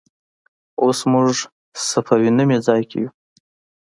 اوس موږ صفوي نومې ځای کې یو.